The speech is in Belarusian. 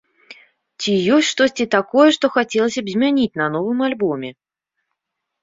Ці ёсць штосьці такое, што хацелася б змяніць на новым альбоме?